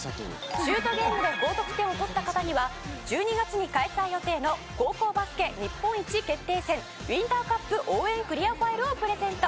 シュートゲームで高得点を取った方には１２月に開催予定の高校バスケ日本一決定戦ウインターカップ応援クリアファイルをプレゼント！